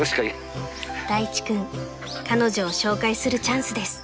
［大地君彼女を紹介するチャンスです］